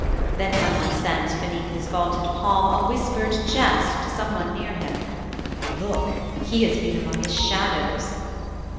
Then some one sent beneath his vaulted palm A whispered jest to some one near him, 'Look, He has been among his shadows.'